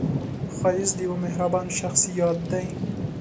ښایست د یوه مهربان شخص یاد دی